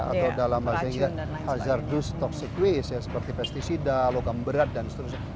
atau dalam hal hal yang tidak hazardous toxic waste ya seperti pesticida logam berat dan seterusnya